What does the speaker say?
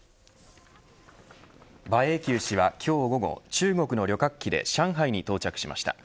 馬英九氏は今日午後中国の旅客機で上海に到着しました。